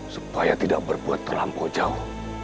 supaya tidak berbuat terlampau jauh